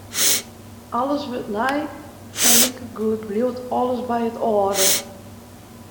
Alles wurdt nij en likegoed bliuwt alles by it âlde.